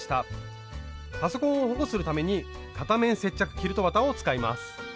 パソコンを保護するために片面接着キルト綿を使います。